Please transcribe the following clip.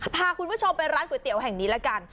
พาคุณผู้ชมไปร้านก๋วยเตี๋ยวแห่งนี้ละกัน